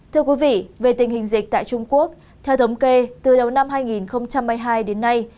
thưa quý vị về tình hình dịch tại trung quốc theo thống kê từ đầu năm hai nghìn hai mươi hai đến nay